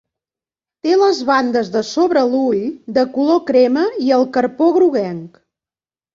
Té les bandes de sobre l'ull de color crema i el carpó groguenc.